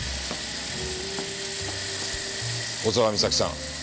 小沢美咲さん